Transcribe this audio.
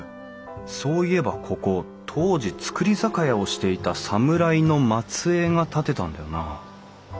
そういえばここ当時造り酒屋をしていた侍の末えいが建てたんだよなあ。